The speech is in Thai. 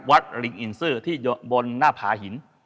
ลิงอินซื่อที่บนหน้าผาหิน